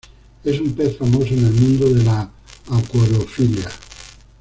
Es un pez famoso en el mundo de la acuariofilia.